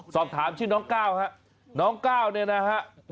สอบถามชื่อน้องก้าวฮะน้องก้าวเนี่ยนะฮะ